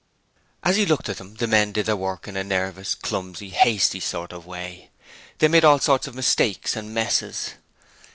As he looked at them the men did their work in a nervous, clumsy, hasty sort of way. They made all sorts of mistakes and messes.